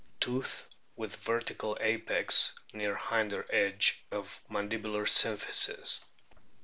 Tooth with vertical apex, near hinder edge of mandibular symphysis.